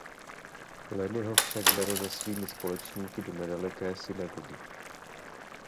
Lenny ho však bere za svými společníky do nedaleké synagogy.